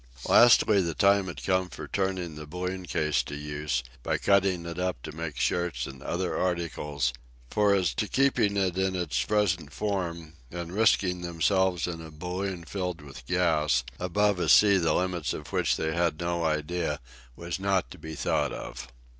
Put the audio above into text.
Lastly, the time had come for turning the balloon case to use, by cutting it up to make shirts and other articles; for as to keeping it in its present form, and risking themselves in a balloon filled with gas, above a sea of the limits of which they had no idea, it was not to be thought of.